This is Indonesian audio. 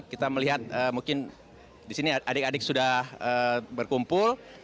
kita melihat mungkin di sini adik adik sudah berkumpul